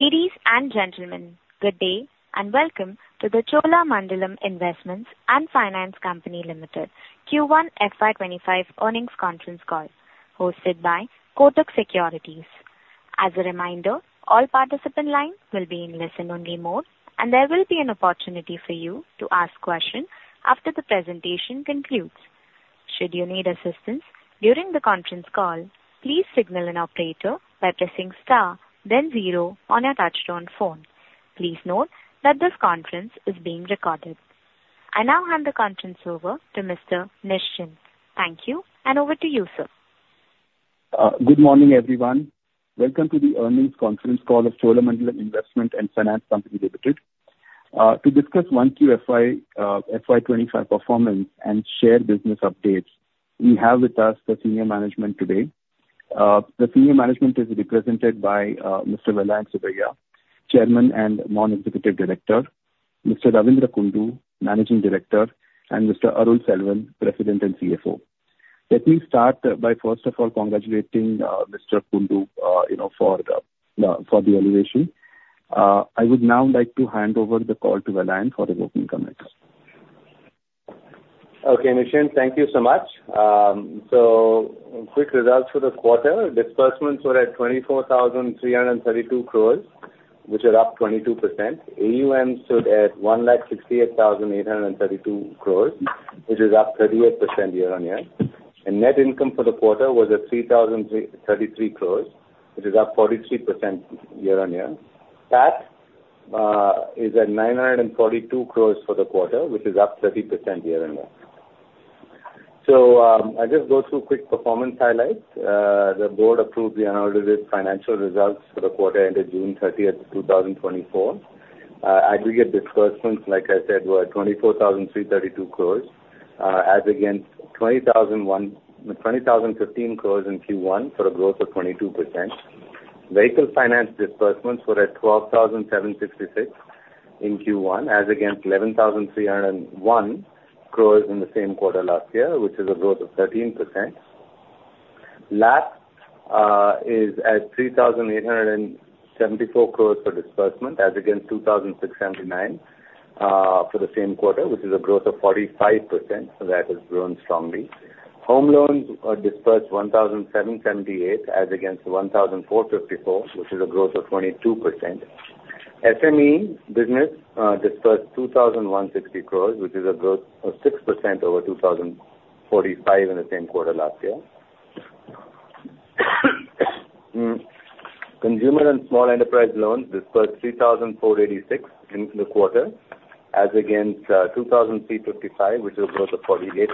Ladies and gentlemen, good day and welcome to the Cholamandalam Investment and Finance Company Limited Q1 FY25 earnings conference call, hosted by Kotak Securities. As a reminder, all participants' lines will be in listen-only mode, and there will be an opportunity for you to ask questions after the presentation concludes. Should you need assistance during the conference call, please signal an operator by pressing star, then zero on your touch-tone phone. Please note that this conference is being recorded. I now hand the conference over to Mr. Nischint. Thank you, and over to you, sir. Good morning, everyone. Welcome to the earnings conference call of Cholamandalam Investment and Finance Company Limited. To discuss 1Q FY25 performance and share business updates, we have with us the senior management today. The senior management is represented by Mr. Vellayan Subbiah, Chairman and Non-Executive Director, Mr. Ravindra Kundu, Managing Director, and Mr. Arul Selvan, President and CFO. Let me start by, first of all, congratulating Mr. Kundu for the elevation. I would now like to hand over the call to Vellayan for the opening comments. Okay, Nischint, thank you so much. So, quick results for the quarter: disbursements were at 24,332 crore, which is up 22%. AUM stood at 168,832 crore, which is up 38% year-on-year. And net income for the quarter was at 3,033 crore, which is up 43% year-on-year. PAT is at 942 crore for the quarter, which is up 30% year-on-year. So, I'll just go through quick performance highlights. The board approved the unaltered financial results for the quarter ended June 30th, 2024. Aggregate disbursements, like I said, were at 24,332 crore, as against 20,015 crore in Q1 for a growth of 22%. Vehicle finance disbursements were at 12,766 crore in Q1, as against 11,301 crore in the same quarter last year, which is a growth of 13%. LAP is at 3,874 crore for disbursements, as against 2,679 crore for the same quarter, which is a growth of 45%. So, that has grown strongly. Home Loans were disbursed 1,778 crores, as against 1,454 crores, which is a growth of 22%. SME business disbursed 2,160 crores, which is a growth of 6% over 2,045 crores in the same quarter last year. Consumer and small enterprise loans disbursed 3,486 crores in the quarter, as against 2,355 crores, which is a growth of 48%.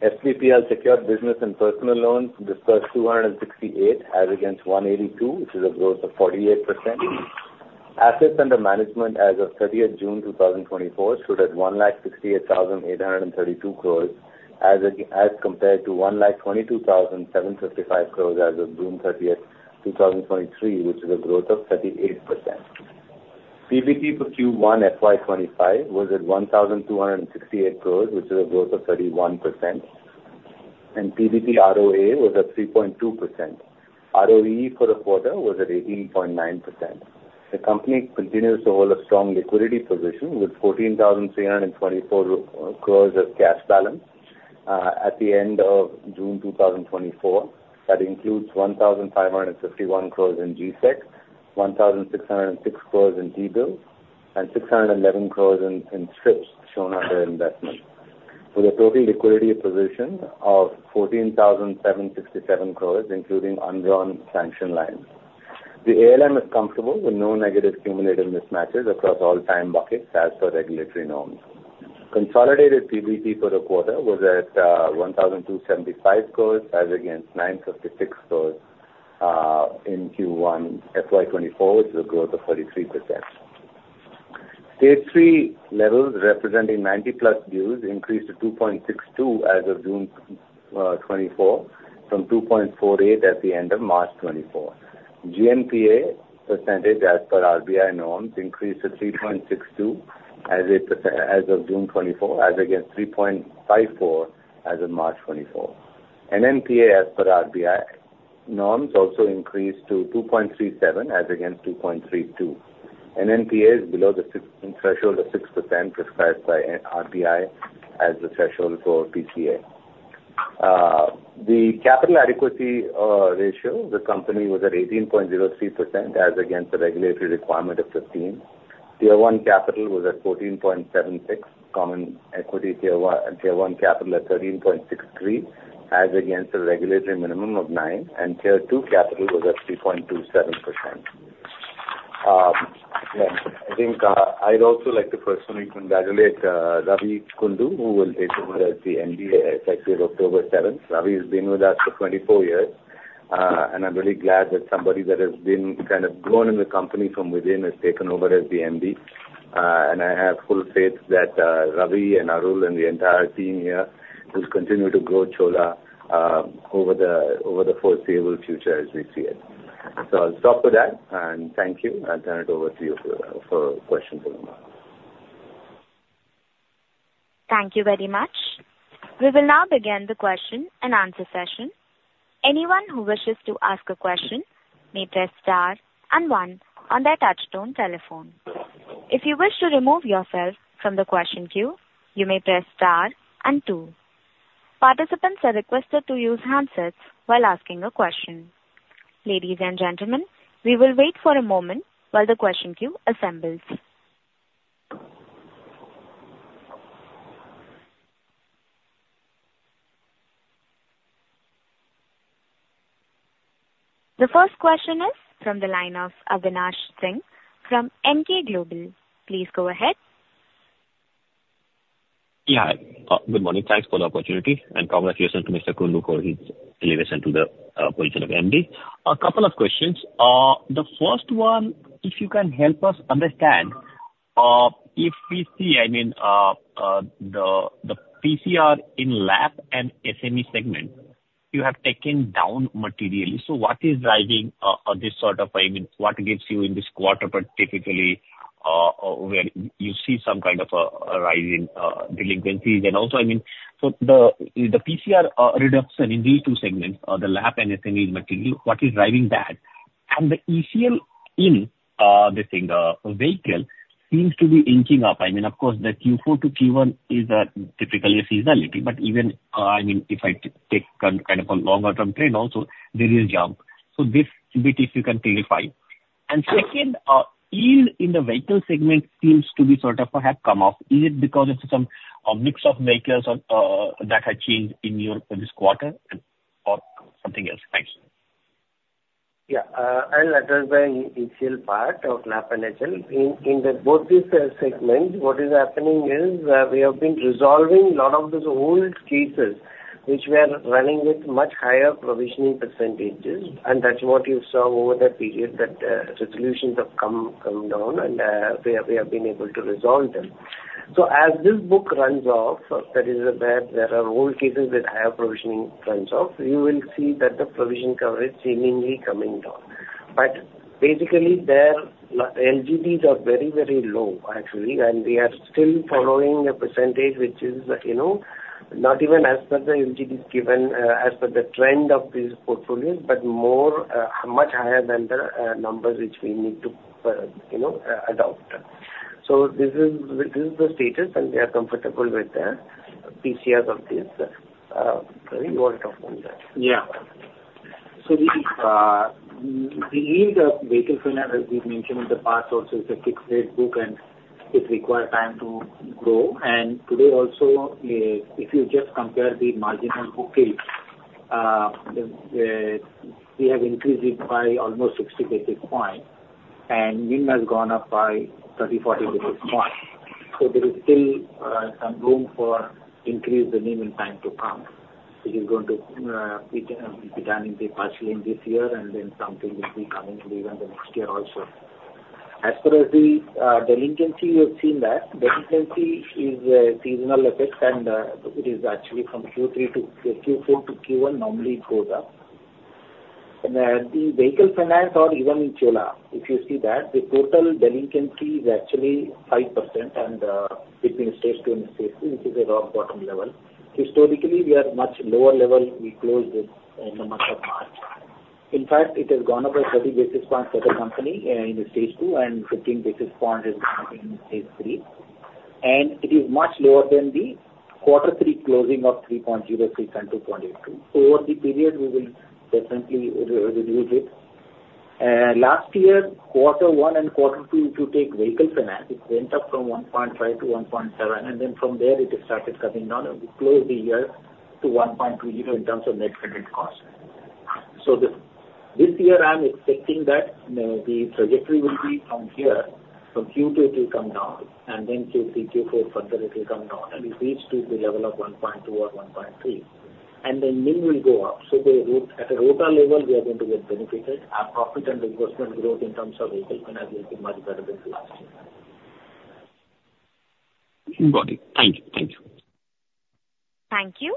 SBPL Secured Business and Personal Loans disbursed 268 crores, as against 182 crores, which is a growth of 48%. Assets under management as of 30th June 2024 stood at 168,832 crores, as compared to 122,755 crores as of June 30th, 2023, which is a growth of 38%. PBT for Q1 FY25 was at 1,268 crores, which is a growth of 31%. PBT ROA was at 3.2%. ROA for the quarter was at 18.9%. The company continues to hold a strong liquidity position with 14,324 crores of cash balance at the end of June 2024. That includes 1,551 crores in G-Sec, 1,606 crores in T-bills, and 611 crores in STRIPS shown under investment, with a total liquidity position of 14,767 crores, including unwritten sanction lines. The ALM is comfortable with no negative cumulative mismatches across all time buckets as per regulatory norms. Consolidated PBT for the quarter was at 1,275 crores, as against 956 crores in Q1 FY24, which is a growth of 33%. stage 3 levels representing 90-plus dues increased to 2.62% as of June 2024, from 2.48% at the end of March 2024. GNPA percentage, as per RBI norms, increased to 3.62% as of June 2024, as against 3.54% as of March 2024. NNPA, as per RBI norms, also increased to 2.37%, as against 2.32%. NNPA is below the threshold of 6% prescribed by RBI as the threshold for PCA. The Capital Adequacy Ratio of the company was at 18.03%, as against the regulatory requirement of 15%. Tier 1 Capital was at 14.76%, Common Equity Tier 1 Capital at 13.63%, as against the regulatory minimum of 9%. And Tier 2 Capital was at 3.27%. I think I'd also like to personally congratulate Ravi Kundu, who will take over as the MD effective October 7. Ravi has been with us for 24 years, and I'm really glad that somebody that has been kind of grown in the company from within has taken over as the MD. And I have full faith that Ravi and Arul and the entire team here will continue to grow Chola over the foreseeable future as we see it. So, I'll stop with that, and thank you, and turn it over to you for questions in a moment. Thank you very much. We will now begin the question and answer session. Anyone who wishes to ask a question may press star and one on their touch-tone telephone. If you wish to remove yourself from the question queue, you may press star and two. Participants are requested to use handsets while asking a question. Ladies and gentlemen, we will wait for a moment while the question queue assembles. The first question is from the line of Avinash Singh from Emkay Global. Please go ahead. Yeah, good morning. Thanks for the opportunity and congratulations to Mr. Kundu for his elevation to the position of MD. A couple of questions. The first one, if you can help us understand, if we see, I mean, the PCR in LAP and SME segment, you have taken down materially. So, what is driving this sort of, I mean, what gives you in this quarter particularly where you see some kind of a rise in delinquencies? And also, I mean, so the PCR reduction in these two segments, the LAP and SME material, what is driving that? And the ECL in, this thing, the vehicle seems to be inching up. I mean, of course, the Q4 to Q1 is a typically seasonality. But even, I mean, if I take kind of a longer-term trend also, there is a jump. So, this bit, if you can clarify. And second, in the vehicle segment, seems to be sort of have come off. Is it because of some mix of vehicles that have changed in this quarter or something else? Thanks. Yeah, I'll address the ECL part of LAP and HL. In both these segments, what is happening is we have been resolving a lot of those old cases, which were running with much higher provisioning percentages. And that's what you saw over the period that resolutions have come down, and we have been able to resolve them. So, as this book runs off, that is, there are old cases with higher provisioning trends off, you will see that the provision coverage seemingly coming down. But basically, their LGDs are very, very low, actually. And we are still following a percentage, which is not even as per the LGDs given as per the trend of these portfolios, but much higher than the numbers which we need to adopt. So, this is the status, and we are comfortable with the PCRs of this. You already talked about that. Yeah. So, the need of vehicle finance, as we've mentioned in the past, also is a fixed-rate book, and it requires time to grow. And today also, if you just compare the marginal booking, we have increased it by almost 60 basis points, and NIM has gone up by 30-40 basis points. So, there is still some room for increase in the NIM time to come, which is going to be done in the past lane this year, and then something will be coming in the next year also. As far as the delinquency, you have seen that. Delinquency is a seasonal effect, and it is actually from Q4 to Q1 normally goes up. And the vehicle finance, or even in Chola, if you see that, the total delinquency is actually 5% between stage 2 and stage 3, which is a rock bottom level. Historically, we are much lower level. We closed in the month of March. In fact, it has gone up by 30 basis points for the company in stage 2, and 15 basis points is the company in stage 3. And it is much lower than the quarter 3 closing of 3.06% and 2.82%. Over the period, we will definitely reduce it. Last year, quarter 1 and quarter 2, if you take vehicle finance, it went up from 1.5% to 1.7%, and then from there it started coming down, and we closed the year to 1.20% in terms of net credit cost. So, this year, I'm expecting that the trajectory will be from here, from Q2 it will come down, and then Q3, Q4 further it will come down, and it reached to the level of 1.2% or 1.3%. And then NIM will go up. At a ROA level, we are going to get benefited. Our profit and disbursement growth in terms of vehicle finance will be much better than last year. Got it. Thank you. Thank you. Thank you.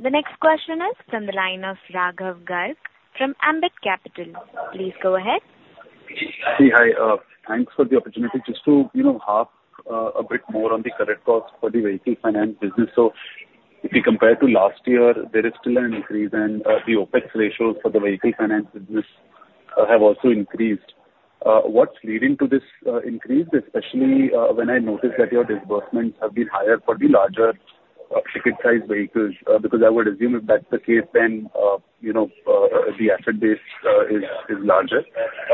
The next question is from the line of Raghav Garg from Ambit Capital. Please go ahead. Hey, hi. Thanks for the opportunity just to harp a bit more on the credit cost for the vehicle finance business. So, if we compare to last year, there is still an increase, and the OPEX ratios for the vehicle finance business have also increased. What's leading to this increase, especially when I notice that your disbursements have been higher for the larger ticket-sized vehicles? Because I would assume if that's the case, then the asset base is larger,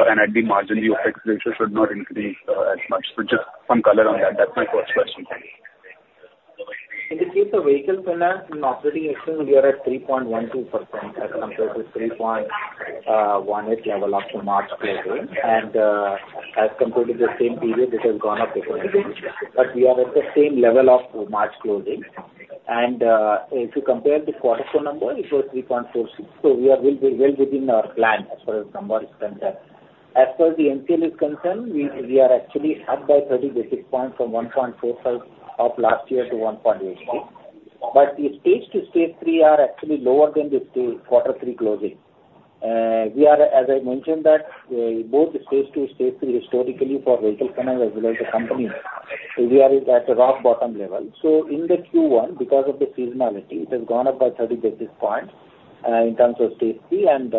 and at the margin, the OPEX ratio should not increase as much. So, just some color on that. That's my first question. In the case of vehicle finance, in OPEX, we are at 3.12% as compared to 3.18% level after March closing. As compared to the same period, it has gone up. We are at the same level of March closing. If you compare the quarter 4 number, it was 3.46%. We are well within our plan as far as number is concerned. As far as the NCL is concerned, we are actually up by 30 basis points from 1.45% of last year to 1.86%. The stage 2, stage 3 are actually lower than the stage quarter 3 closing. We are, as I mentioned, that both stage 2, stage 3 historically for vehicle finance as well as the company, we are at a rock bottom level. So, in the Q1, because of the seasonality, it has gone up by 30 basis points in terms of stage 3 and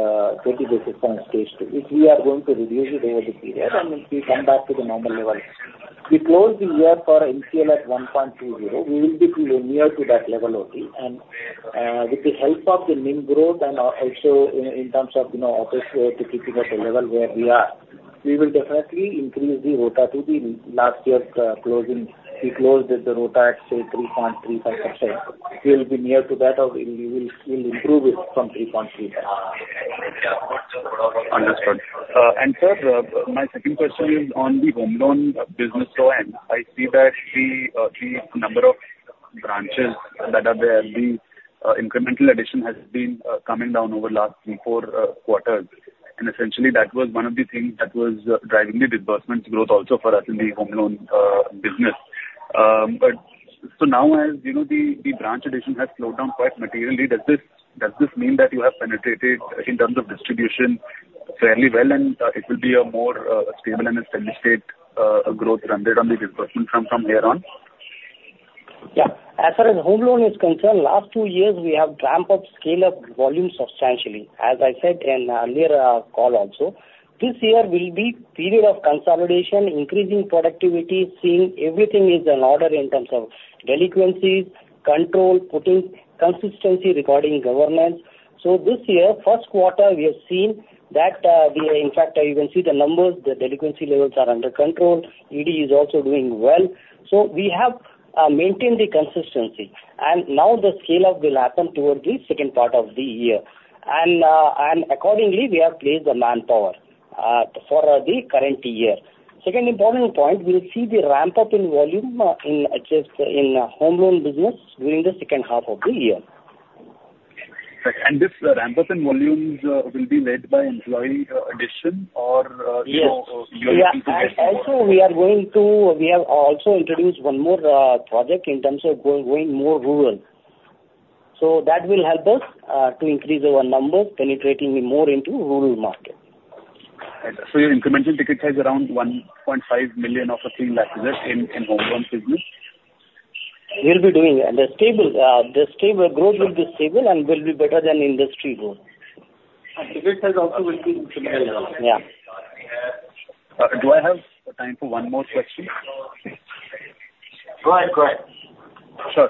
20 basis points stage 2. If we are going to reduce it over the period, and if we come back to the normal level, we closed the year for NCL at 1.20%. We will be near to that level only. And with the help of the NIM growth and also in terms of OPEX ratio keeping at the level where we are, we will definitely increase the ROA to the last year's closing. We closed at the ROA at, say, 3.35%. We'll be near to that, or we'll improve it from 3.35%. Understood. Sir, my second question is on the Home Loan business. I see that the number of branches that are there, the incremental addition has been coming down over the last four quarters. Essentially, that was one of the things that was driving the disbursement growth also for us in the Home Loan business. Now, as the branch addition has slowed down quite materially, does this mean that you have penetrated in terms of distribution fairly well, and it will be a more stable and established state growth rendered on the disbursement from here on? Yeah. As far as Home Loan is concerned, last two years, we have ramped up, scaled up volume substantially, as I said in earlier call also. This year will be a period of consolidation, increasing productivity, seeing everything is in order in terms of delinquencies, control, putting consistency, recording governance. So, this year, first quarter, we have seen that the, in fact, you can see the numbers, the delinquency levels are under control. ED is also doing well. So, we have maintained the consistency. And now the scale-up will happen towards the second part of the year. And accordingly, we have placed the manpower for the current year. Second important point, we'll see the ramp-up in volume in Home Loan business during the second half of the year. This ramp-up in volume will be led by employee addition, or you are looking to get more? Yes. Also, we are going to, we have also introduced one more project in terms of going more rural. So, that will help us to increase our numbers, penetrating more into rural market. So, your incremental ticket size is around 1.5 million of INR 3 lakhs in Home Loan business? We'll be doing it. The stable growth will be stable and will be better than industry growth. Ticket size also will be similar. Yeah. Do I have time for one more question? Go ahead. Go ahead. Sure.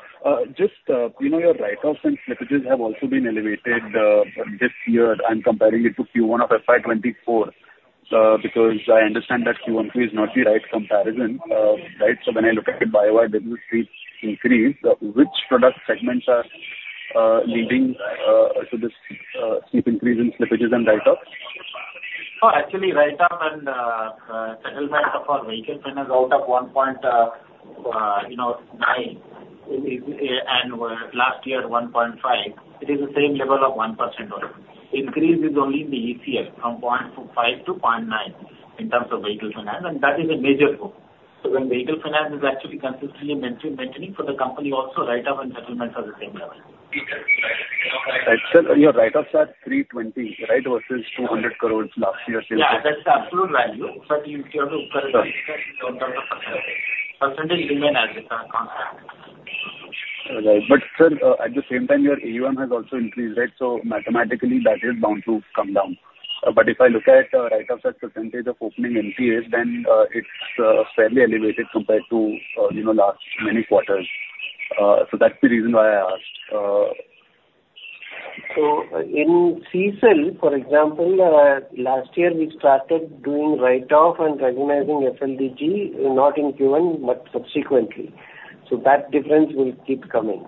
Just your write-offs and slippages have also been elevated this year. I'm comparing it to Q1 of FY 2024 because I understand that Q1, Q2 is not the right comparison, right? So, when I look at YoY business, we've increased. Which product segments are leading to this steep increase in slippages and write-offs? Oh, actually, write-off and settlement of our vehicle finance out of 1.9% and last year 1.5%. It is the same level of 1% only. Increase is only in the ECL from 0.5% to 0.9% in terms of vehicle finance, and that is a major bump. So, when vehicle finance is actually consistently maintaining for the company, also write-off and settlement are the same level. Sir, your write-offs are 320 crore, right, versus 200 crore last year? Yeah, that's the absolute value. But in terms of currently, in terms of percentage, percentage remains as it comes. Right. But sir, at the same time, your AUM has also increased, right? So, mathematically, that is bound to come down. But if I look at write-offs as percentage of opening NPAs, then it's fairly elevated compared to last many quarters. So, that's the reason why I asked. So, in CSEL, for example, last year, we started doing write-off and recognizing FLDG, not in Q1, but subsequently. So, that difference will keep coming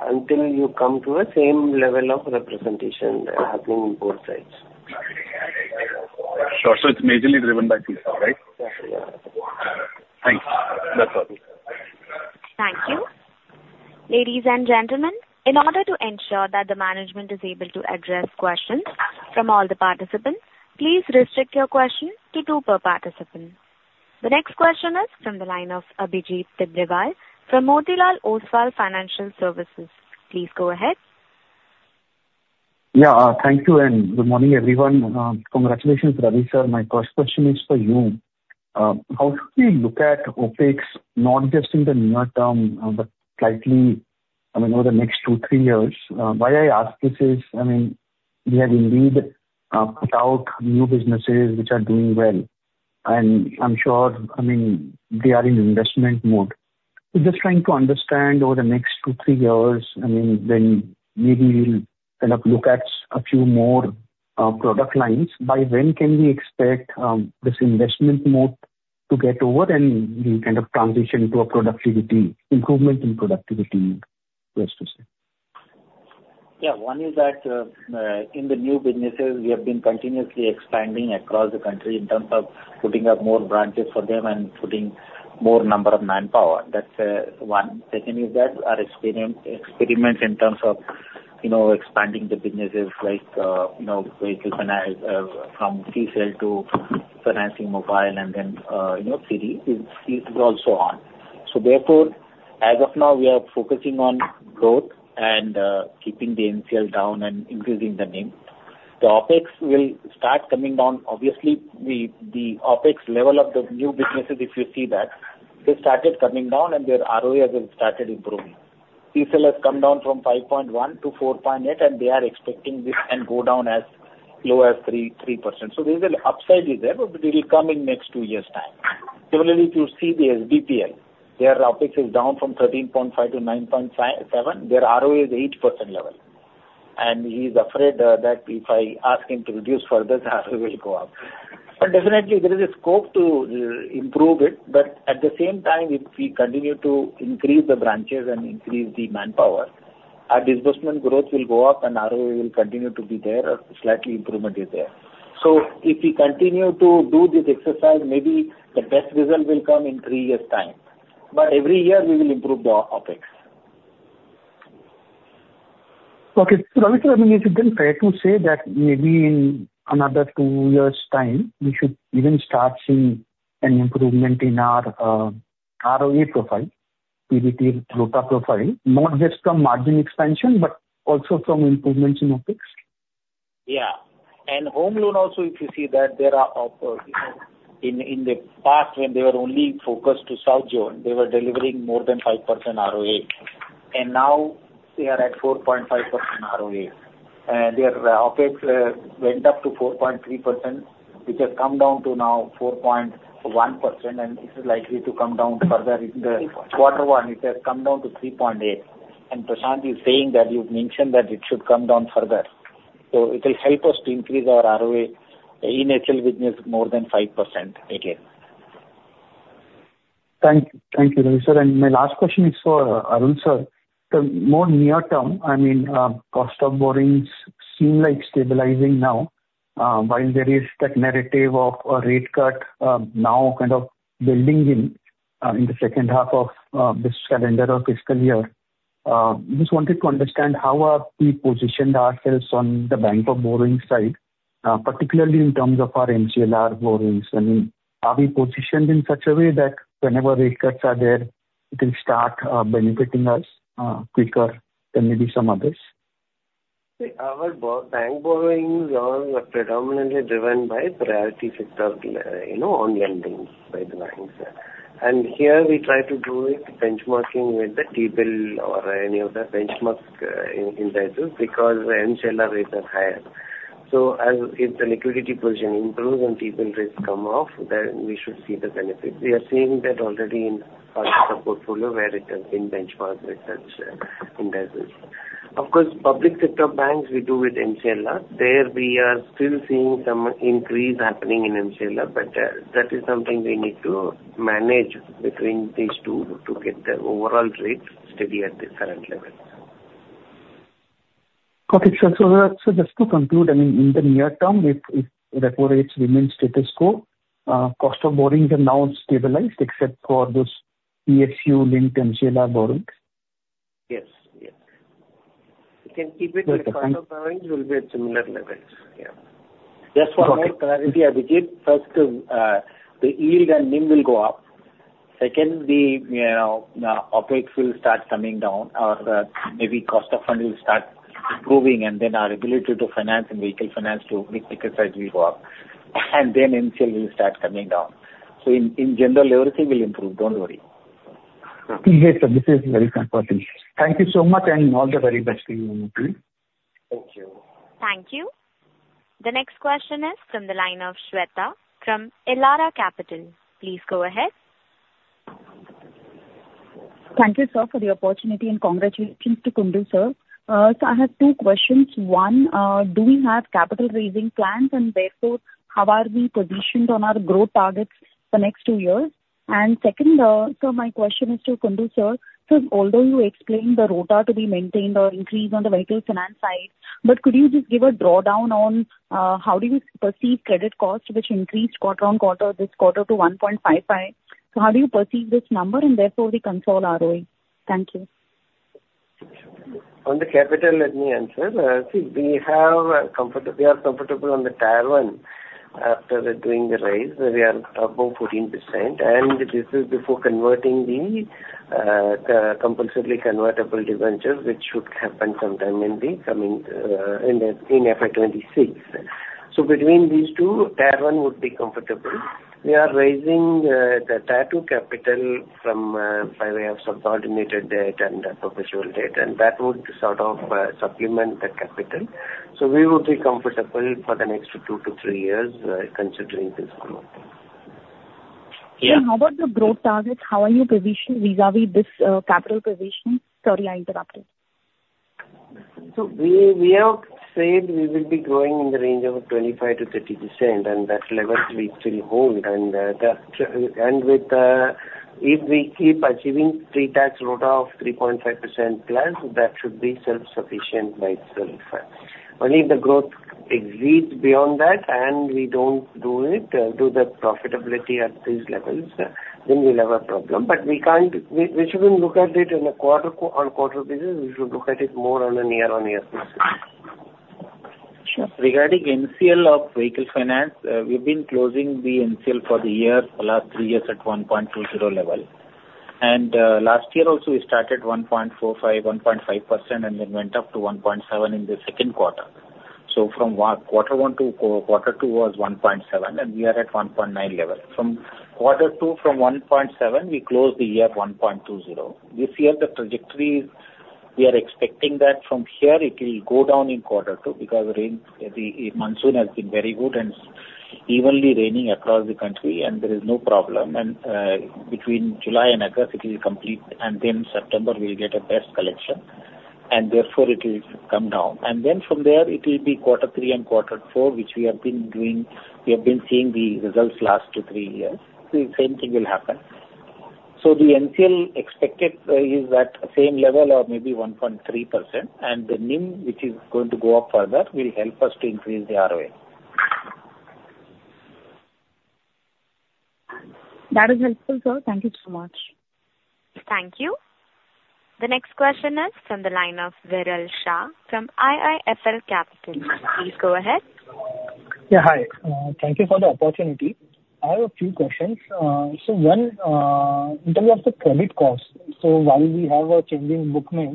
until you come to a same level of representation happening in both sides. Sure. So, it's majorly driven by CSEL, right? Yeah. Thanks. That's all. Thank you. Ladies and gentlemen, in order to ensure that the management is able to address questions from all the participants, please restrict your question to two per participant. The next question is from the line of Abhijit Tibrewal from Motilal Oswal Financial Services. Please go ahead. Yeah, thank you. And good morning, everyone. Congratulations, Ravindra Sir. My first question is for you. How should we look at OPEX, not just in the near term, but slightly, I mean, over the next two, three years? Why I ask this is, I mean, we have indeed put out new businesses which are doing well. And I'm sure, I mean, they are in investment mode. We're just trying to understand over the next two, three years, I mean, then maybe we'll kind of look at a few more product lines. By when can we expect this investment mode to get over and kind of transition to a productivity, improvement in productivity mode, let's just say? Yeah. One is that in the new businesses, we have been continuously expanding across the country in terms of putting up more branches for them and putting more number of manpower. That's one. Second is that our experience in terms of expanding the businesses like vehicle finance from CSEL to financing mobile and then CD is also on. So, therefore, as of now, we are focusing on growth and keeping the NCL down and increasing the NIM. The OPEX will start coming down. Obviously, the OPEX level of the new businesses, if you see that, they started coming down, and their ROA has started improving. CSEL has come down from 5.1% to 4.8%, and they are expecting this and go down as low as 3%. So, there is an upside there, but it will come in the next two years' time. Similarly, if you see the SBPL, their OPEX is down from 13.5% to 9.7%. Their ROA is 8% level. And he's afraid that if I ask him to reduce further, the ROA will go up. But definitely, there is a scope to improve it. But at the same time, if we continue to increase the branches and increase the manpower, our disbursement growth will go up, and ROA will continue to be there. Slight improvement is there. So, if we continue to do this exercise, maybe the best result will come in three years' time. But every year, we will improve the OPEX. Okay. So, Ravindra, I mean, is it then fair to say that maybe in another two years' time, we should even start seeing an improvement in our ROA profile, PBT ROA profile, not just from margin expansion, but also from improvements in OPEX? Yeah. Home Loan also, if you see that there are in the past, when they were only focused to South India, they were delivering more than 5% ROA. Now, they are at 4.5% ROA. Their OPEX went up to 4.3%, which has come down to now 4.1%, and it is likely to come down further in the quarter 1. It has come down to 3.8%. Prashant is saying that you've mentioned that it should come down further. So, it will help us to increase our ROA in HL business more than 5% again. Thank you. Thank you, Ravindra Sir. And my last question is for Aru Sir. The more near term, I mean, cost of borrowings seem like stabilizing now, while there is that narrative of a rate cut now kind of building in in the second half of this calendar or fiscal year. Just wanted to understand how are we positioned ourselves on the borrowing side, particularly in terms of our MCLR borrowings? I mean, are we positioned in such a way that whenever rate cuts are there, it will start benefiting us quicker than maybe some others? Our bank borrowings are predominantly driven by priority sector on-lending by the banks. Here, we try to do it benchmarking with the T-bill or any of the benchmark indicators because the MCLR rates are higher. So, as if the liquidity position improves and T-bill rates come off, then we should see the benefits. We are seeing that already in our portfolio where it has been benchmarked with such indicators. Of course, public sector banks, we do with MCLR. There we are still seeing some increase happening in MCLR, but that is something we need to manage between these two to get the overall rate steady at the current level. Okay. Sir, so just to conclude, I mean, in the near term, if repo rates remain status quo, cost of borrowings are now stabilized except for those PSU linked MCLR borrowings? Yes. Yes. You can keep it. The cost of borrowings will be at similar levels. Yeah. Just for my clarity, Abhijit, first, the yield and NIM will go up. Second, the OPEX will start coming down, or maybe cost of funds will start improving, and then our ability to finance and vehicle finance too with ticket size will go up. And then MCLR will start coming down. So, in general, everything will improve. Don't worry. Yes, sir. This is very compelling. Thank you so much, and all the very best to you too. Thank you. Thank you. The next question is from the line of Shweta from Elara Capital. Please go ahead. Thank you, sir, for the opportunity, and congratulations to Kundu, sir. So, I have two questions. One, do we have capital raising plans, and therefore, how are we positioned on our growth targets for next two years? And second, sir, my question is to Kundu, sir. Sir, although you explained the ROA to be maintained or increase on the vehicle finance side, but could you just give a drawdown on how do you perceive credit cost, which increased quarter-on-quarter this quarter to 1.55%? So, how do you perceive this number, and therefore, the consolidated ROA? Thank you. On the capital, let me answer. See, we are comfortable on the Tier 1 after doing the raise. We are above 14%. And this is before converting the compulsorily convertible debentures, which should happen sometime in the coming FY26. So, between these two, Tier 1 would be comfortable. We are raising the Tier 2 capital by way of subordinated debt and perpetual debt, and that would sort of supplement the capital. So, we would be comfortable for the next two to three years considering this growth. How about the growth targets? How are you positioned vis-à-vis this capital position? Sorry, I interrupted. We have said we will be growing in the range of 25%-30%, and that level we still hold. With, if we keep achieving pre-tax ROA of 3.5%+, that should be self-sufficient by itself. Only if the growth exceeds beyond that and we don't do it, do the profitability at these levels, then we'll have a problem. But we shouldn't look at it on a quarter-on-quarter basis. We should look at it more on a year-on-year basis. Sure. Regarding MCLR of vehicle finance, we've been closing the MCLR for the year, the last three years at 1.20% level. And last year also, we started 1.45%, 1.5%, and then went up to 1.7% in the second quarter. So, from quarter 1 to quarter 2 was 1.7%, and we are at 1.9% level. From quarter 2, from 1.7%, we closed the year 1.20%. This year, the trajectory we are expecting that from here, it will go down in quarter 2 because the monsoon has been very good and evenly raining across the country, and there is no problem. And between July and August, it will complete, and then September, we'll get a best collection. And therefore, it will come down. And then from there, it will be quarter 3 and quarter 4, which we have been doing. We have been seeing the results last two, three years. The same thing will happen. So, the MCL expected is at the same level or maybe 1.3%. And the NIM, which is going to go up further, will help us to increase the ROA. That is helpful, sir. Thank you so much. Thank you. The next question is from the line of Viral Shah from IIFL Capital. Please go ahead. Yeah. Hi. Thank you for the opportunity. I have a few questions. So, one, in terms of the credit cost, so while we have a changing book mix,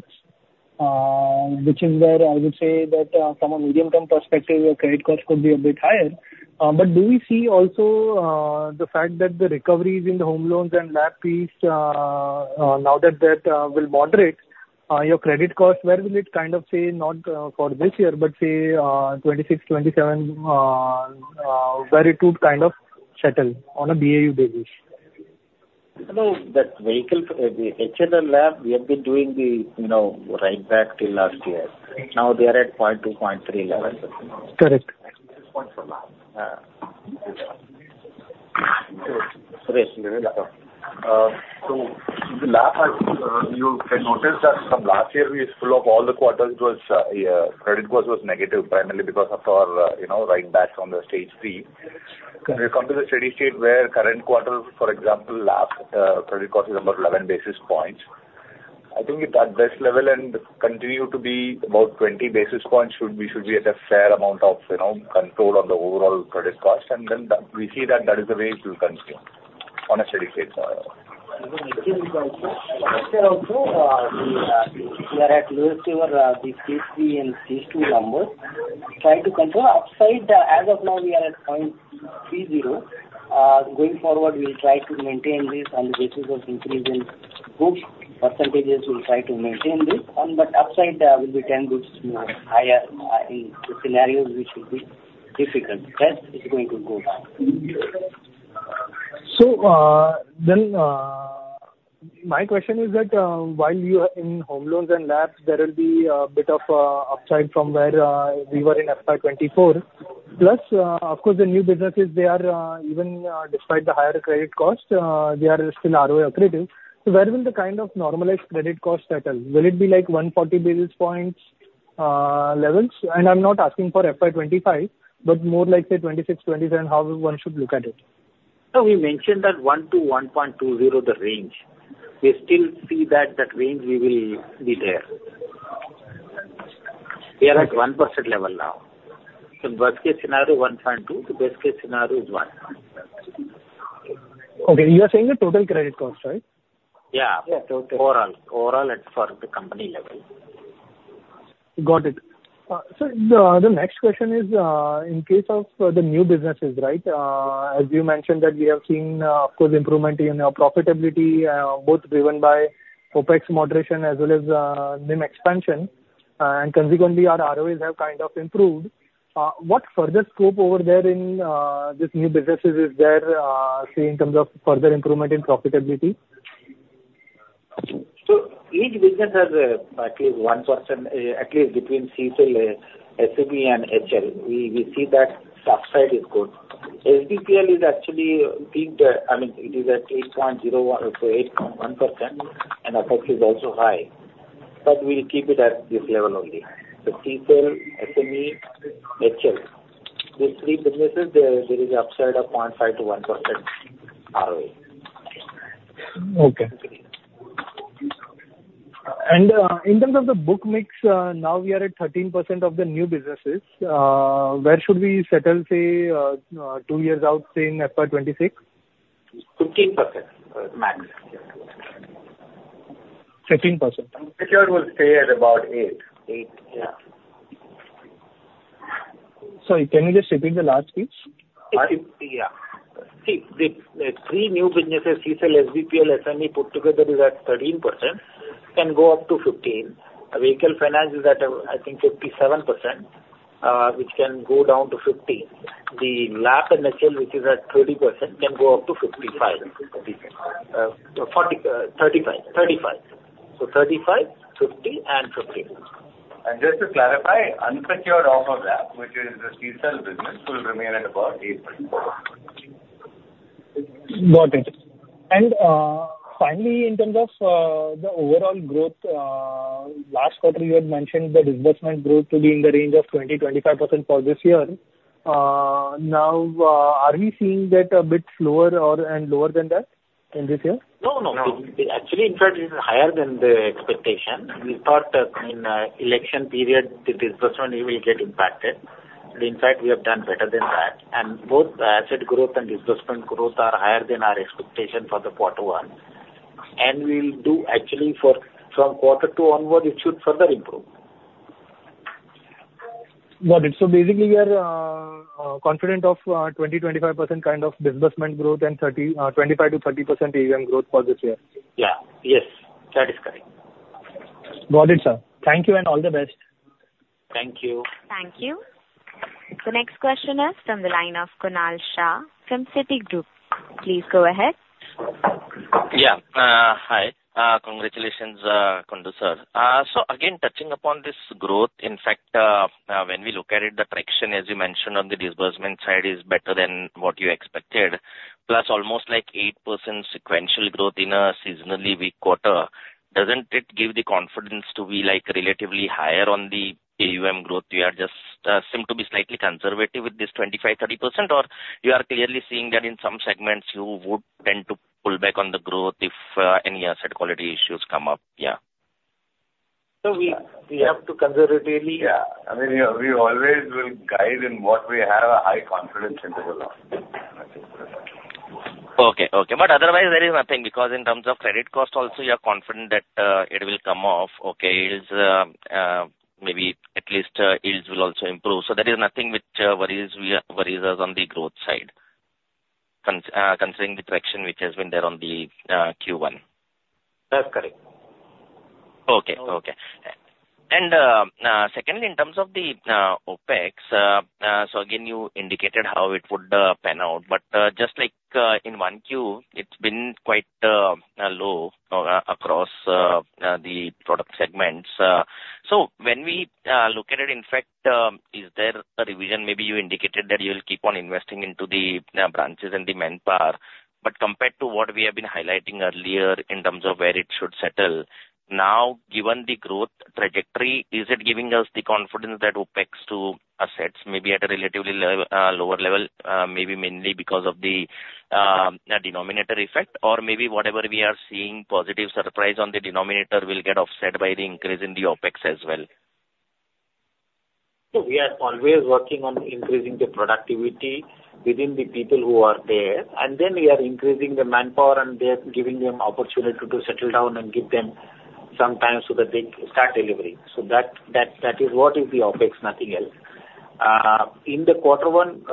which is where I would say that from a medium-term perspective, your credit cost could be a bit higher. But do we see also the fact that the recoveries in the Home Loans and LAPs, now that that will moderate your credit cost, where will it kind of say, not for this year, but say 2026, 2027, where it would kind of settle on a BAU basis? No, that vehicle, the HL LAP, we have been doing the write-back till last year. Now, they are at 0.2%-0.3% level. Correct. So, you can notice that from last year, we split up all the quarters. Credit cost was negative primarily because of our write-back from the stage 3. We've come to the steady state where current quarter, for example, the credit cost is about 11 basis points. I think at that level and continue to be about 20 basis points, we should be at a fair amount of control on the overall credit cost. And then we see that that is the way it will continue on a steady state. We are at lowest ever, the stage 3 and stage 2 numbers. Try to control upside. As of now, we are at 0.30%. Going forward, we'll try to maintain this on the basis of increase in growth. Percentages will try to maintain this. But upside will be 10 basis points higher in the scenarios which will be difficult. That is going to go down. So, then my question is that while you are in Home Loans and LAPs, there will be a bit of upside from where we were in FY2024. Plus, of course, the new businesses, they are even despite the higher credit cost, they are still ROA operative. So, where will the kind of normalized credit cost settle? Will it be like 140 basis points levels? And I'm not asking for FY2025, but more like say 2026, 2027, how one should look at it? So, we mentioned that 1%-1.20%, the range. We still see that that range we will be there. We are at 1% level now. So, worst case scenario, 1.2%. The best case scenario is 1%. Okay. You are saying the total credit cost, right? Yeah. Overall at the company level. Got it. Sir, the next question is in case of the new businesses, right? As you mentioned that we have seen, of course, improvement in our profitability, both driven by OPEX moderation as well as NIM expansion. And consequently, our ROAs have kind of improved. What further scope over there in these new businesses is there in terms of further improvement in profitability? Each business has at least 1%, at least between CSL, SME, and HL. We see that upside is good. SBPL is actually peaked. I mean, it is at 8.01%, so 8.1%, and OPEX is also high. But we'll keep it at this level only. So, CSL, SME, HL. These three businesses, there is upside of 0.5%-1% ROA. Okay. And in terms of the book mix, now we are at 13% of the new businesses. Where should we settle, say, two years out, saying FY26? 15% max. 15%. Secure will stay at about 8. 8. Yeah. Sorry, can you just repeat the last piece? Yeah. See, the three new businesses, CSL, SBPL, SME put together is at 13%, can go up to 15%. Vehicle finance is at, I think, 57%, which can go down to 50%. The LAP and HL, which is at 30%, can go up to 55%. 35%. 35%. So, 35%, 50%, and 50%. And just to clarify, unsecured offer LAP, which is the CSL business, will remain at about 8%. Got it. And finally, in terms of the overall growth, last quarter, you had mentioned the disbursement growth to be in the range of 20%-25% for this year. Now, are we seeing that a bit slower and lower than that in this year? No, no. Actually, in fact, it is higher than the expectation. We thought that in the election period, the disbursement will get impacted. In fact, we have done better than that. And both asset growth and disbursement growth are higher than our expectation for the quarter 1. And we'll do, actually, from quarter 2 onward, it should further improve. Got it. So, basically, we are confident of 20%-25% kind of disbursement growth and 25%-30% AUM growth for this year. Yeah. Yes. That is correct. Got it, sir. Thank you and all the best. Thank you. Thank you. The next question is from the line of Kunal Shah from Citi Group. Please go ahead. Yeah. Hi. Congratulations, Kundu, sir. So, again, touching upon this growth, in fact, when we look at it, the traction, as you mentioned, on the disbursement side is better than what you expected. Plus, almost like 8% sequential growth in a seasonally weak quarter. Doesn't it give the confidence to be relatively higher on the AUM growth? You just seem to be slightly conservative with this 25%-30%, or you are clearly seeing that in some segments, you would tend to pull back on the growth if any asset quality issues come up? Yeah. We have to conservatively. I mean, we always will guide in what we have a high confidence interval on. Okay. Okay. But otherwise, there is nothing because in terms of credit cost, also, you are confident that it will come off. Okay. Maybe at least yields will also improve. So, there is nothing which worries us on the growth side considering the traction which has been there on the Q1. That's correct. Okay. Okay. And secondly, in terms of the OPEX, so again, you indicated how it would pan out. But just like in 1Q, it's been quite low across the product segments. So, when we look at it, in fact, is there a revision? Maybe you indicated that you will keep on investing into the branches and the manpower. But compared to what we have been highlighting earlier in terms of where it should settle, now, given the growth trajectory, is it giving us the confidence that OPEX to assets may be at a relatively lower level, maybe mainly because of the denominator effect, or maybe whatever we are seeing, positive surprise on the denominator, will get offset by the increase in the OPEX as well? So, we are always working on increasing the productivity within the people who are there. Then we are increasing the manpower and giving them opportunity to settle down and give them some time so that they start delivering. So, that is what is the OPEX, nothing else. In the quarter 1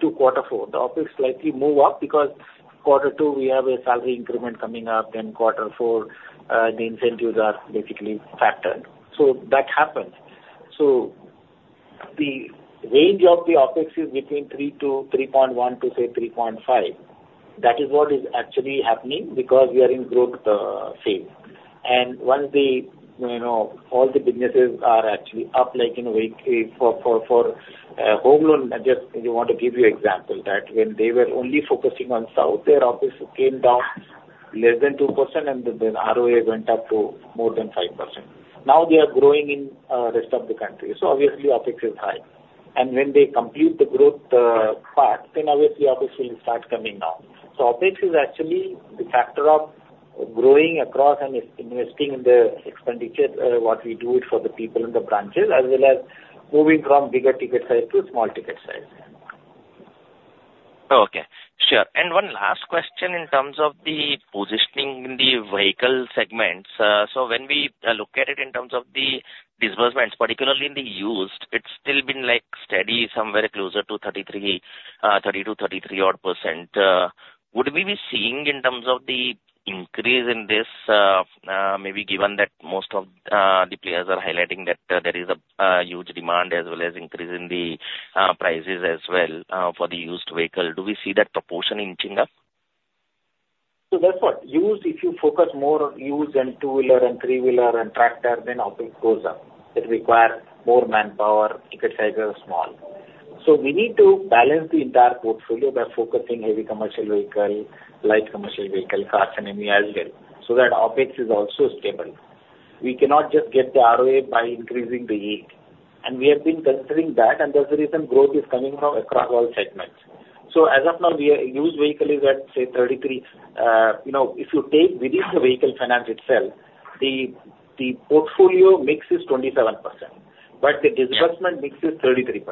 to quarter 4, the OPEX slightly move up because quarter 2, we have a salary increment coming up. Then quarter 4, the incentives are basically factored. So, that happens. So, the range of the OPEX is between 3%-3.1% to say 3.5%. That is what is actually happening because we are in growth phase. Once all the businesses are actually up like in a way for Home Loan, just you want to give you an example that when they were only focusing on south, their OPEX came down less than 2%, and then ROA went up to more than 5%. Now, they are growing in the rest of the country. So, obviously, OPEX is high. And when they complete the growth part, then obviously, OPEX will start coming down. So, OPEX is actually the factor of growing across and investing in the expenditure, what we do it for the people in the branches, as well as moving from bigger ticket size to small ticket size. Okay. Sure. And one last question in terms of the positioning in the vehicle segments. So, when we look at it in terms of the disbursements, particularly in the used, it's still been steady, somewhere closer to 32%-33% odd. Would we be seeing in terms of the increase in this, maybe given that most of the players are highlighting that there is a huge demand as well as increase in the prices as well for the used vehicle? Do we see that proportion inching up? So, that's what used, if you focus more on used and two-wheeler and three-wheeler and tractor, then OPEX goes up. It requires more manpower, ticket size is small. So, we need to balance the entire portfolio by focusing heavy commercial vehicle, light commercial vehicle, cars, and ME as well so that OPEX is also stable. We cannot just get the ROA by increasing the yield. And we have been considering that, and that's the reason growth is coming from across all segments. So, as of now, the used vehicle is at say 33%. If you take within the vehicle finance itself, the portfolio mix is 27%, but the disbursement mix is 33%.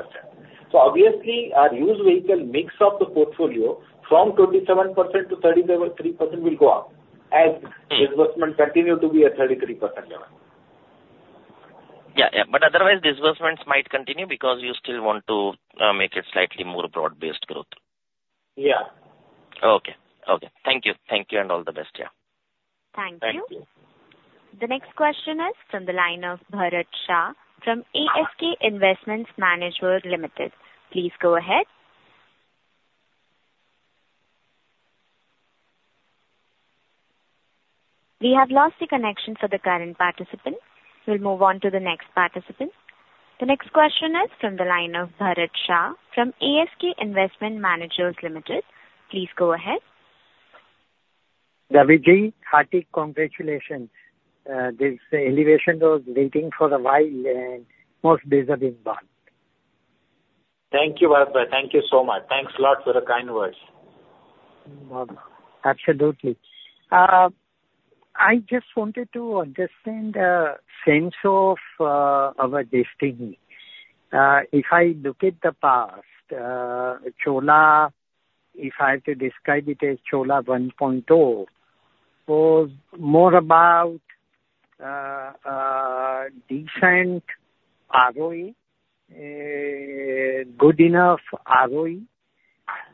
So, obviously, our used vehicle mix of the portfolio from 27%-33% will go up as disbursement continues to be at 33% level. Yeah. Yeah. But otherwise, disbursements might continue because you still want to make it slightly more broad-based growth. Yeah. Okay. Okay. Thank you. Thank you and all the best. Yeah. Thank you. Thank you. The next question is from the line of Bharat Shah from ASK Investment Managers Limited. Please go ahead. We have lost the connection for the current participant. We'll move on to the next participant. The next question is from the line of Bharath Shah from ASK Investment Managers Limited. Please go ahead. Raviji, hearty congratulations. This elevation was waiting for a while and most deserving part. Thank you, Bharath. Thank you so much. Thanks a lot for the kind words. Absolutely. I just wanted to understand the sense of our destiny. If I look at the past, Chola, if I have to describe it as Chola 1.0, was more about decent ROA, good enough ROA,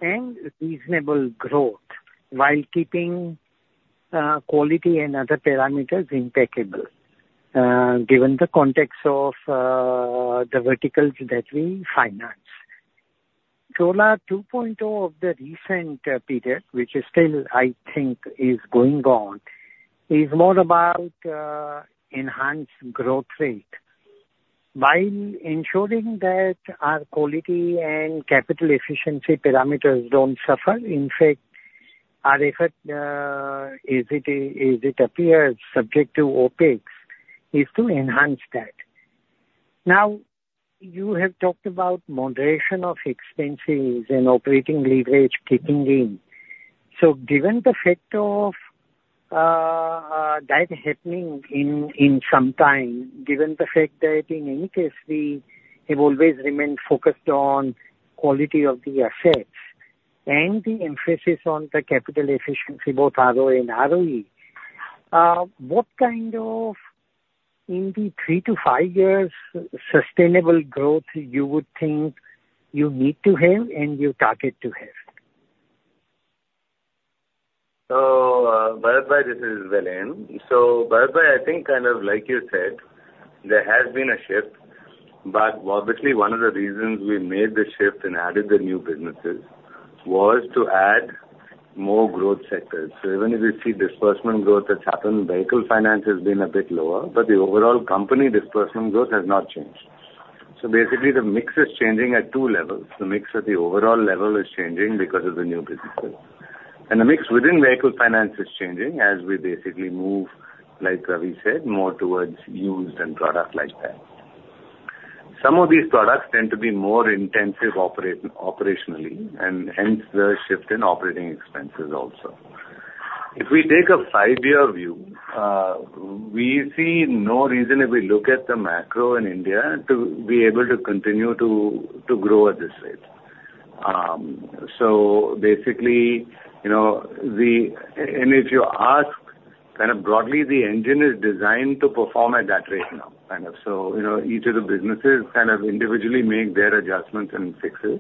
and reasonable growth while keeping quality and other parameters impeccable, given the context of the verticals that we finance. Chola 2.0 of the recent period, which is still, I think, is going on, is more about enhanced growth rate while ensuring that our quality and capital efficiency parameters don't suffer. In fact, our effort, as it appears, subject to OPEX, is to enhance that. Now, you have talked about moderation of expenses and operating leverage kicking in. Given the fact that in any case, we have always remained focused on quality of the assets and the emphasis on the capital efficiency, both ROA and ROA, what kind of, in the three to five years, sustainable growth you would think you need to have and you target to have? So, Bharath, this is Vellayan. So, Bharath, I think kind of like you said, there has been a shift. But obviously, one of the reasons we made the shift and added the new businesses was to add more growth sectors. So, even if you see disbursement growth that's happened, vehicle finance has been a bit lower, but the overall company disbursement growth has not changed. So, basically, the mix is changing at two levels. The mix at the overall level is changing because of the new businesses. And the mix within vehicle finance is changing as we basically move, like Ravi said, more towards used and product like that. Some of these products tend to be more intensive operationally, and hence the shift in operating expenses also. If we take a five-year view, we see no reason, if we look at the macro in India, to be able to continue to grow at this rate. So, basically, and if you ask kind of broadly, the engine is designed to perform at that rate now. Kind of so, each of the businesses kind of individually make their adjustments and fixes.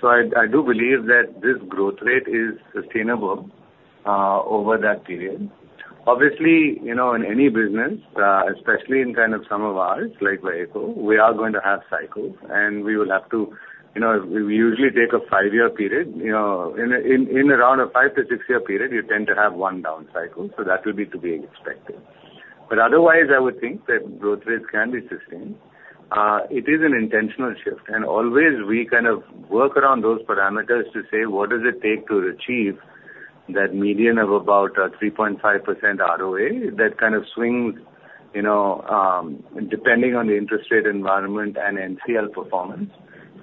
So, I do believe that this growth rate is sustainable over that period. Obviously, in any business, especially in kind of some of ours, like Viaco, we are going to have cycles, and we will have to usually take a five-year period. In around a five to six-year period, you tend to have one down cycle. So, that will be to be expected. But otherwise, I would think that growth rates can be sustained. It is an intentional shift. And always, we kind of work around those parameters to say, what does it take to achieve that median of about 3.5% ROA? That kind of swings, depending on the interest rate environment and NCL performance,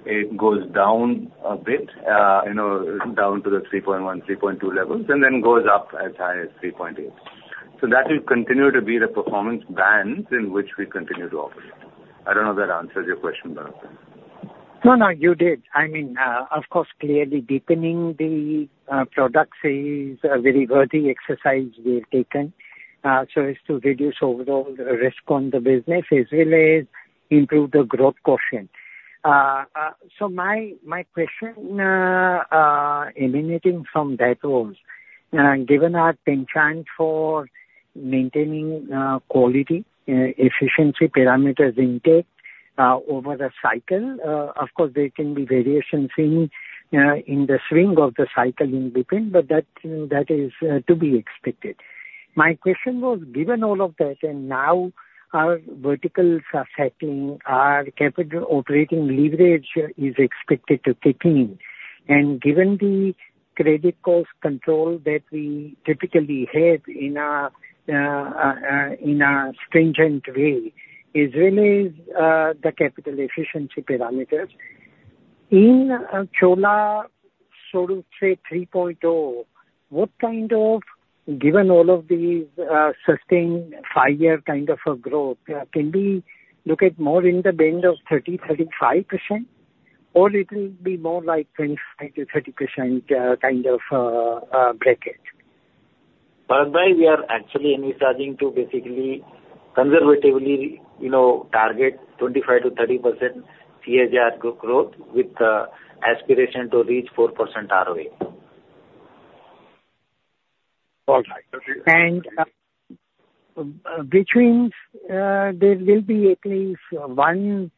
it goes down a bit, down to the 3.1%-3.2% levels, and then goes up as high as 3.8%. So, that will continue to be the performance band in which we continue to operate. I don't know if that answers your question, Bharath. No, no, you did. I mean, of course, clearly, deepening the products is a very worthy exercise we have taken so as to reduce overall risk on the business as well as improve the growth quotient. So, my question emanating from that was, given our penchant for maintaining quality, efficiency parameters intake over a cycle, of course, there can be variations in the swing of the cycle in between, but that is to be expected. My question was, given all of that, and now our verticals are settling, our capital operating leverage is expected to kick in. Given the credit cost control that we typically have in a stringent way, as well as the capital efficiency parameters, in Chola sort of say 3.0, what kind of, given all of these sustained five-year kind of a growth, can we look at more in the band of 30%-35%, or it will be more like 25%-30% kind of bracket? Bharath, we are actually in charge to basically conservatively target 25%-30% CAGR growth with aspiration to reach 4% ROA. All right. And which means there will be at least one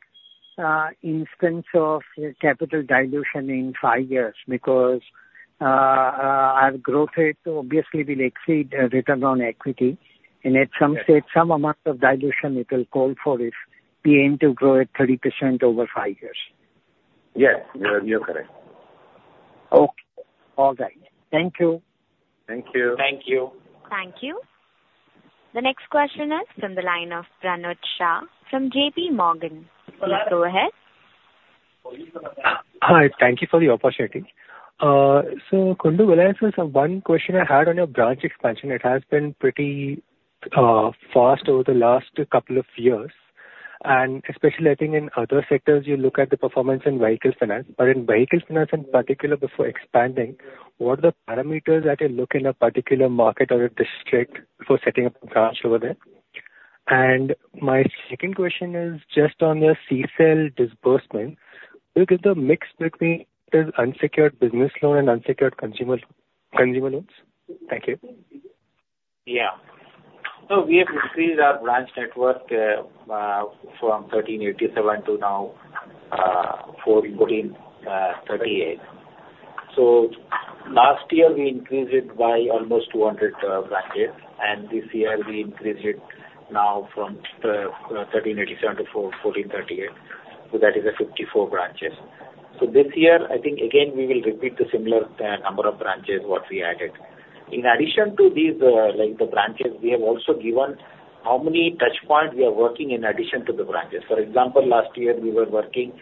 instance of capital dilution in five years because our growth rate will obviously exceed return on equity. And at some stage, some amount of dilution, it will call for us to aim to grow at 30% over five years. Yes. You're correct. Okay. All right. Thank you. Thank you. Thank you. Thank you. The next question is from the line of Pranuj Shah from JPMorgan. Please go ahead. Hi. Thank you for the opportunity. So, Kundu, Vellayan, one question I had on your branch expansion. It has been pretty fast over the last couple of years. And especially, I think in other sectors, you look at the performance in vehicle finance. But in vehicle finance in particular, before expanding, what are the parameters that you look in a particular market or a district for setting up a branch over there? And my second question is just on the CSEL disbursement. Do you give the mix between unsecured business loan and unsecured consumer loans? Thank you. Yeah. So, we have increased our branch network from 1,387 to now 4,138. So, last year, we increased it by almost 200 branches. And this year, we increased it now from 1,387 to 4,138. So, that is 54 branches. So, this year, I think, again, we will repeat the similar number of branches what we added. In addition to the branches, we have also given how many touch points we are working in addition to the branches. For example, last year, we were working